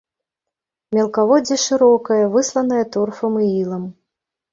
Мелкаводдзе шырокае, высланае торфам і ілам.